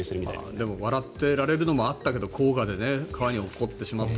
でも笑ってられるのもあったけど黄河でね、川に落っこちてしまったり。